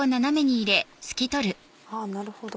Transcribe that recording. あなるほど。